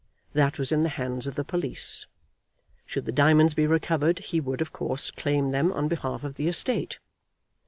That was in the hands of the police. Should the diamonds be recovered, he would, of course, claim them on behalf of the estate.